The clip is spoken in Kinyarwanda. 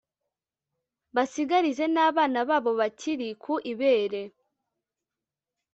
basigarize n'abana babo bakiri ku ibere